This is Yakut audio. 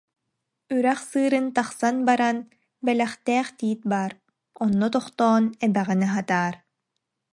Үрэх сыырын тахсан баран, бэлэхтээх тиит баар, онно тохтоон, эбэҕин аһатаар